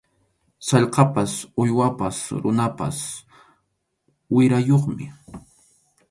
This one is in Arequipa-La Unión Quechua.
Sallqapas uywapas runapas wirayuqmi.